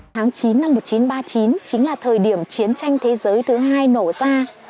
tháng chín năm một nghìn chín trăm ba mươi chín chính là thời điểm chiến tranh thế giới thứ hai nổ ra